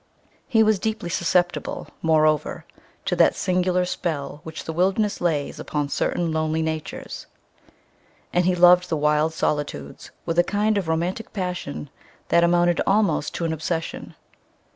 He was deeply susceptible, moreover, to that singular spell which the wilderness lays upon certain lonely natures, and he loved the wild solitudes with a kind of romantic passion that amounted almost to an obsession.